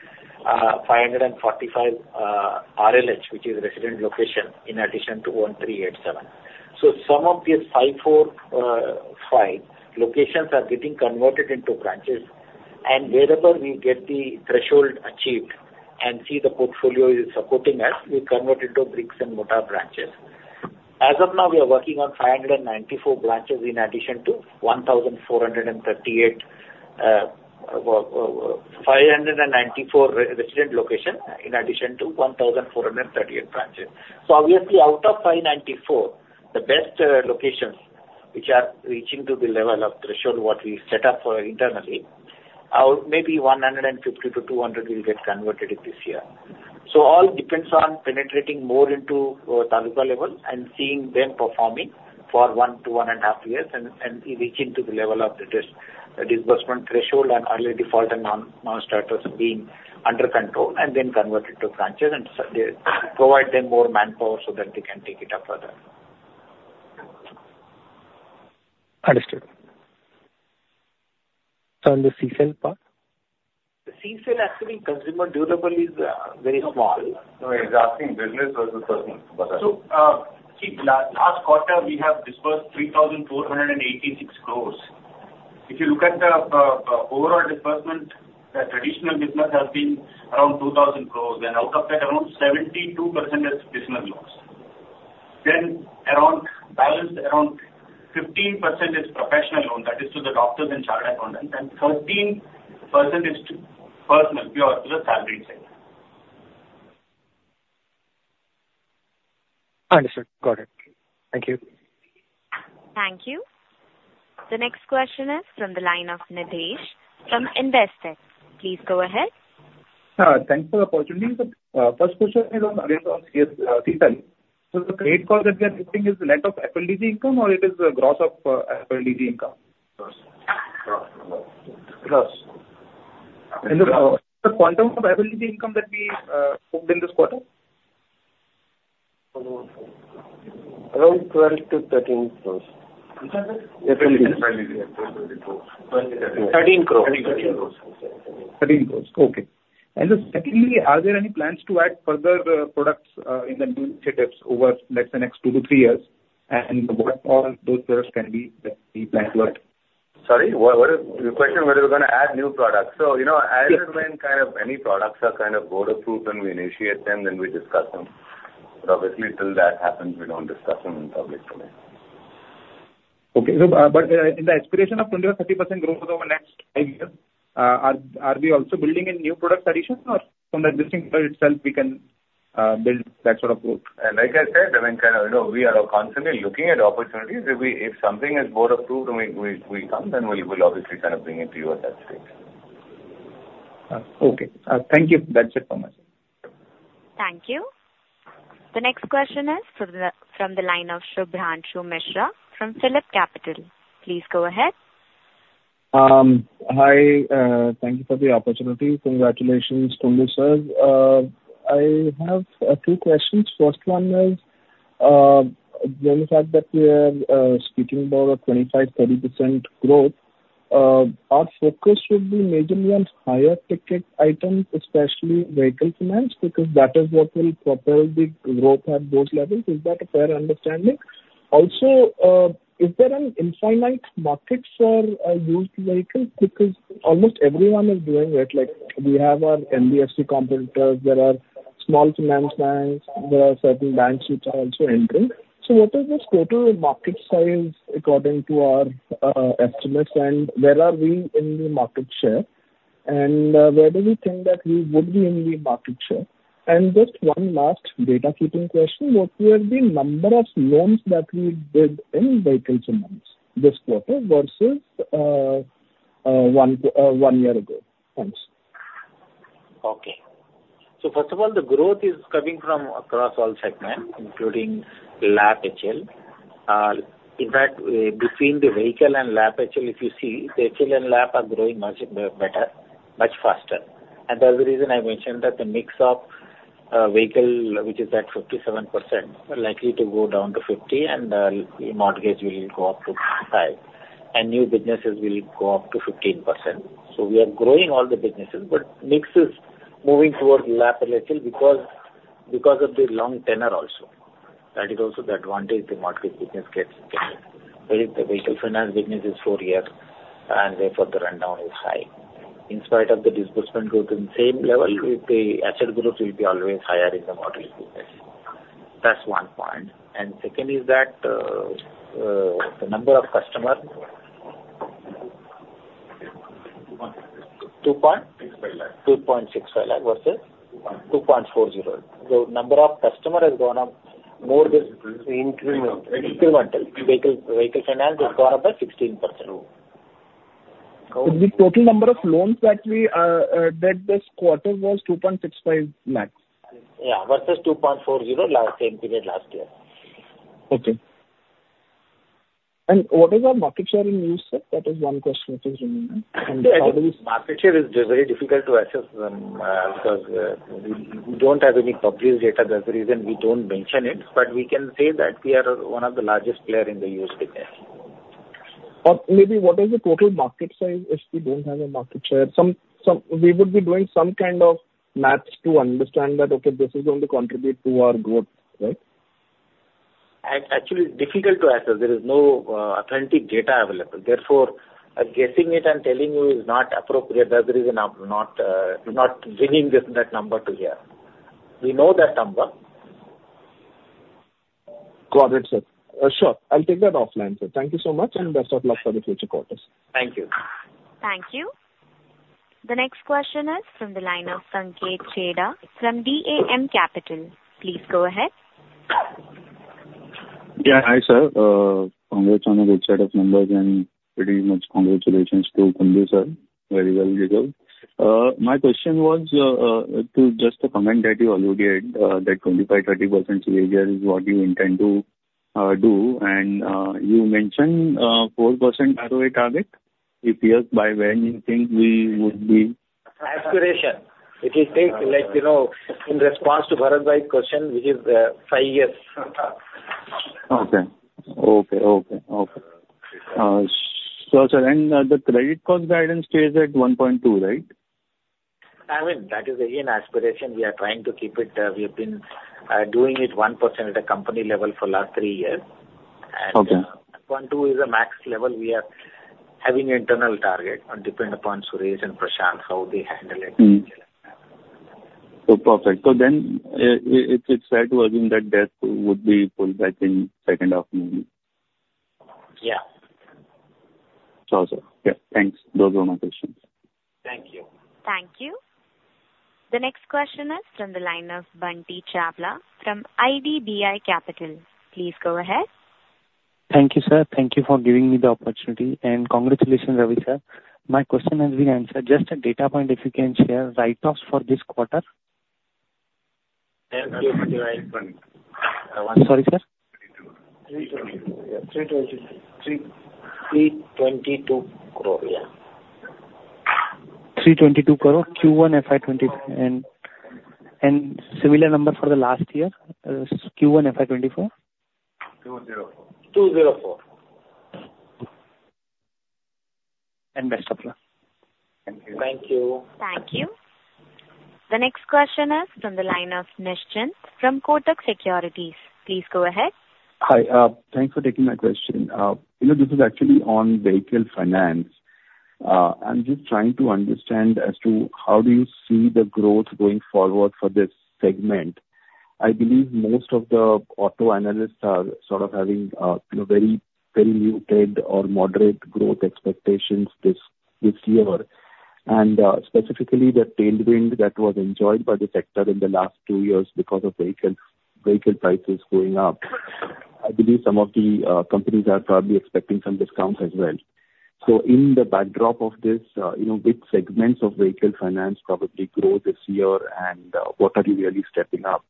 545 RLs, which is resident location, in addition to 1,387. So, some of these 545 locations are getting converted into branches. And wherever we get the threshold achieved and see the portfolio is supporting us, we convert into Brick and Mortar branches. As of now, we are working on 594 branches in addition to 594 resident locations in addition to 1,438 branches. Obviously, out of 594, the best locations, which are reaching to the level of threshold what we set up internally, maybe 150-200 will get converted this year. All depends on penetrating more into Taluka level and seeing them performing for 1-1.5 years and reaching to the level of the disbursement threshold and early default and non-starters being under control and then converted to branches and provide them more manpower so that they can take it up further. Understood. On the CSEL part? The CSEL, actually, consumer durable is very small. No, it's asking business versus personal. Last quarter, we have disbursed 3,486 crore. If you look at the overall disbursement, the traditional business has been around 2,000 crore. And out of that, around 72% is business loans. Then the balance around 15% is professional loans. That is to the doctors and chartered accountants. And 13% is personal, purely to the salary segment. Understood. Got it. Thank you. Thank you. The next question is from the line of Nitesh from Investec. Please go ahead. Thanks for the opportunity. First question is on CSEL. So, the trade call that we are looking is the net of FLDG income or it is the gross of FLDG income? Gross. The quantum of FLDG income that we booked in this quarter? Around INR 12 crore-INR 13 crore. INR 13 crores. INR 13 crore. Okay. And secondly, are there any plans to add further products in the new initiatives over, let's say, next two to three years? And what all those products can be that we plan to add? Sorry? Your question whether we're going to add new products. So, as and when kind of any products are kind of go to proof and we initiate them, then we discuss them. But obviously, until that happens, we don't discuss them in public. Okay. But in the aspiration of 20% or 30% growth over next five years, are we also building in new product additions or from the existing product itself we can build that sort of growth? Like I said, Vellayan, we are constantly looking at opportunities. If something is board approved and we come, then we'll obviously kind of bring it to you at that stage. Okay. Thank you. That's it from my side. Thank you. The next question is from the line of Shubhranshu Mishra from Philip Capital. Please go ahead. Hi. Thank you for the opportunity. Congratulations, Kundu, sir. I have a few questions. First one is, given the fact that we are speaking about a 25%-30% growth, our focus should be majorly on higher ticket items, especially vehicle finance, because that is what will propel the growth at those levels. Is that a fair understanding? Also, is there an infinite market for used vehicles? Because almost everyone is doing it. We have our NBFC competitors. There are small finance banks. There are certain banks which are also entering. So, what is the total market size according to our estimates? And where are we in the market share? And where do we think that we would be in the market share? And just one last data keeping question. What were the number of loans that we did in vehicle finance this quarter versus one year ago? Thanks. Okay. So, first of all, the growth is coming from across all segments, including LAP, HL. In fact, between the vehicle and LAP, HL, if you see, the HL and LAP are growing much better, much faster. And that's the reason I mentioned that the mix of vehicle, which is at 57%, likely to go down to 50%, and mortgage will go up to 5%. And new businesses will go up to 15%. So, we are growing all the businesses, but mix is moving towards LAP and HL because of the long tenor also. That is also the advantage the mortgage business gets when the vehicle finance business is four years and therefore the rundown is high. In spite of the disbursement growth in the same level, the asset growth will be always higher in the mortgage business. That's one point. And second is that the number of customers. Two point? 2.65 lakh versus 2.40 lakh. The number of customers has gone up more than incremental. Vehicle finance has gone up by 16%. The total number of loans that we did this quarter was 265,000 lakhs? Yeah. Versus 2.40 lakh same period last year. Okay. What is our market share in use? That is one question which is remaining. Market share is very difficult to assess because we don't have any public data. That's the reason we don't mention it. But we can say that we are one of the largest players in the used business. Or maybe what is the total market size if we don't have a market share? We would be doing some kind of math to understand that, okay, this is going to contribute to our growth, right? Actually, it's difficult to assess. There is no authentic data available. Therefore, guessing it and telling you is not appropriate. That's the reason I'm not bringing that number to here. We know that number. Got it, sir. Sure. I'll take that offline, sir. Thank you so much. Best of luck for the future quarters. Thank you. Thank you. The next question is from the line of Sanket Chheda from DAM Capital. Please go ahead. Yeah. Hi, sir. Congrats on the good set of numbers. And pretty much congratulations to Kundu, sir. Very well. My question was to just the comment that you already had, that 25%-30% CAGR is what you intend to do. And you mentioned 4% ROA target. It appears by when you think we would be. Aspiration. It is taken in response to Bharath's question, which is five years. Okay. So, sir, and the credit cost guidance stays at 1.2%, right? I mean, that is again aspiration. We are trying to keep it. We have been doing it 1% at a company level for the last three years. 1.2% is the max level we are having internal target on, depend upon Suresh and Prashant how they handle it. Perfect. Then it's said to us in that depth would be pulled back in second half maybe. Yeah. Sir. Yeah. Thanks. Those were my questions. Thank you. Thank you. The next question is from the line of Bunty Chawla from IDBI Capital. Please go ahead. Thank you, sir. Thank you for giving me the opportunity. Congratulations, Ravi, sir. My question has been answered. Just a data point, if you can share write-offs for this quarter. Sorry, sir? INR 322 crores. INR 322 crores. 322 crores, yeah. 322 crores. Q1 FY24. And similar number for the last year, Q1 FY24? 204 crores. 204 crores. Best of luck. Thank you. Thank you. Thank you. The next question is from the line of Nischint from Kotak Securities. Please go ahead. Hi. Thanks for taking my question. This is actually on vehicle finance. I'm just trying to understand as to how do you see the growth going forward for this segment? I believe most of the auto analysts are sort of having very muted or moderate growth expectations this year. And specifically, the tailwind that was enjoyed by the sector in the last two years because of vehicle prices going up, I believe some of the companies are probably expecting some discounts as well. So, in the backdrop of this, which segments of vehicle finance probably grow this year? And what are you really stepping up?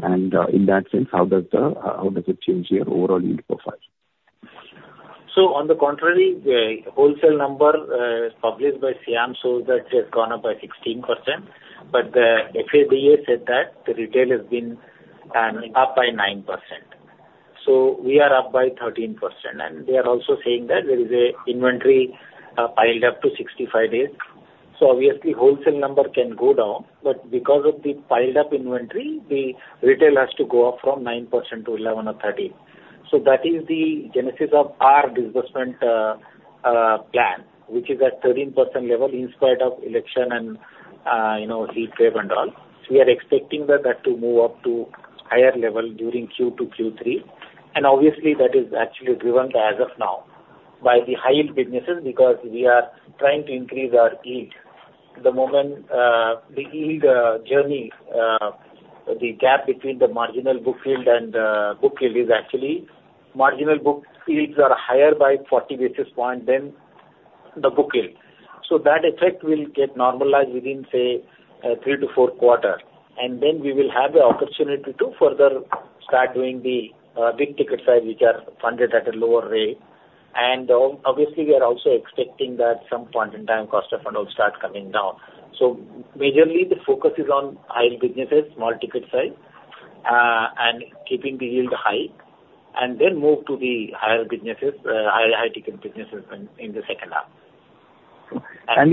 And in that sense, how does it change your overall profile? So, on the contrary, wholesale number published by SIAM shows that it has gone up by 16%. But the FADA said that the retail has been up by 9%. So, we are up by 13%. And they are also saying that there is an inventory piled up to 65 days. So, obviously, wholesale number can go down. But because of the piled-up inventory, the retail has to go up from 9% to 11 or 13. So, that is the genesis of our disbursement plan, which is at 13% level in spite of election and heat wave and all. We are expecting that to move up to higher level during Q2, Q3. And obviously, that is actually driven as of now by the high-yield businesses because we are trying to increase our yield. The moment the yield journey, the gap between the marginal book yield and book yield is actually marginal book yields are higher by 40 basis points than the book yield. So, that effect will get normalized within, say, 3-4 quarters. Then we will have the opportunity to further start doing the big ticket size, which are funded at a lower rate. Obviously, we are also expecting that some point in time, cost of control starts coming down. Majorly, the focus is on high-yield businesses, small ticket size, and keeping the yield high. Then move to the higher businesses, higher high-ticket businesses in the second half. And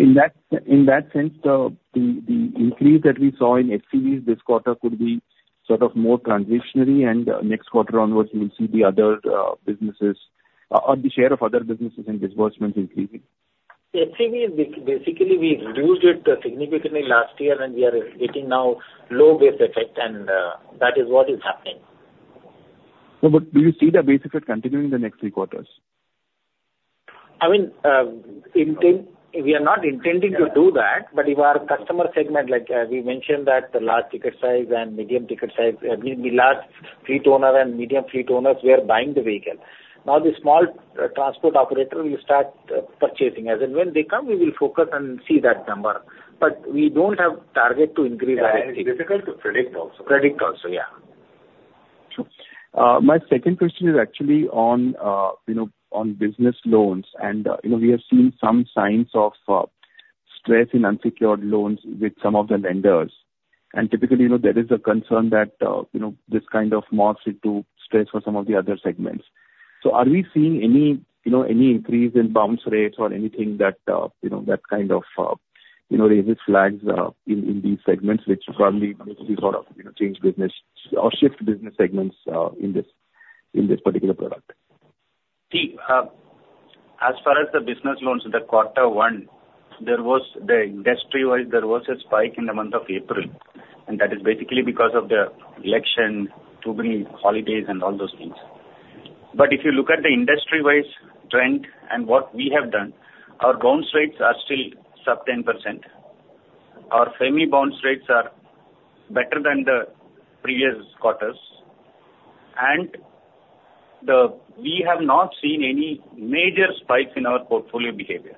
in that sense, the increase that we saw in SCVs this quarter could be sort of more transitory. And next quarter onwards, you will see the other businesses or the share of other businesses in disbursements increasing. The SCV, basically, we reduced it significantly last year, and we are getting now low base effect, and that is what is happening. Do you see that base effect continuing in the next three quarters? I mean, we are not intending to do that. But if our customer segment, like we mentioned, that the large ticket size and medium ticket size, the large fleet owner and medium fleet owners, they are buying the vehicle. Now, the small transport operator, we start purchasing. As in, when they come, we will focus and see that number. But we don't have target to increase directly. It's difficult to predict also. Predict also, yeah. My second question is actually on business loans. We have seen some signs of stress in unsecured loans with some of the lenders. Typically, there is a concern that this kind of morph into stress for some of the other segments. So, are we seeing any increase in bounce rates or anything that kind of raises flags in these segments, which probably will sort of change business or shift business segments in this particular product? See, as far as the business loans, the quarter one, there was the industry-wise, there was a spike in the month of April. And that is basically because of the election, two-week holidays, and all those things. But if you look at the industry-wise trend and what we have done, our bounce rates are still sub 10%. Our EMI bounce rates are better than the previous quarters. And we have not seen any major spikes in our portfolio behavior.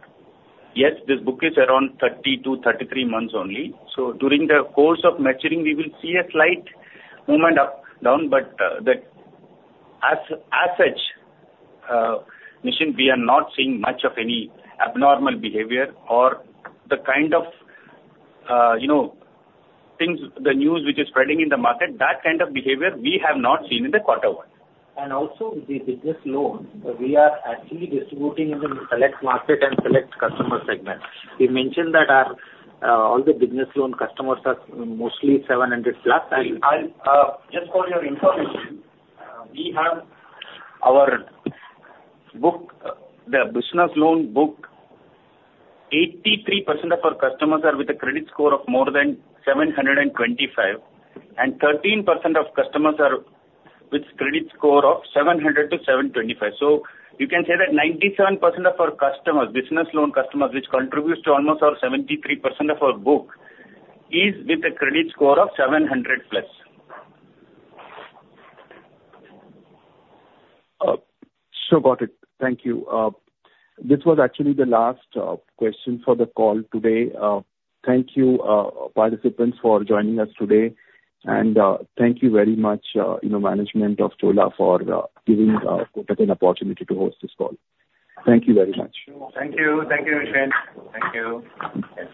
Yes, this book is around 30-33 months only. So, during the course of maturing, we will see a slight movement up, down. But as such, we are not seeing much of any abnormal behavior or the kind of things, the news which is spreading in the market, that kind of behavior we have not seen in the quarter one. Also, the business loans, we are actually distributing in the select market and select customer segment. You mentioned that all the business loan customers are mostly 700+. Just for your information, we have our book, the business loan book. 83% of our customers are with a credit score of more than 725. 13% of customers are with credit score of 700-725. You can say that 97% of our customers, business loan customers, which contributes to almost our 73% of our book, is with a credit score of 700+. Sure. Got it. Thank you. This was actually the last question for the call today. Thank you, participants, for joining us today. And thank you very much, management of Chola, for giving Kotak an opportunity to host this call. Thank you very much. Thank you. Thank you, Nischint. Thank you.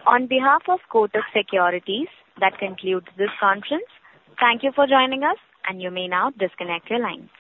On behalf of Kotak Securities, that concludes this conference. Thank you for joining us, and you may now disconnect your lines.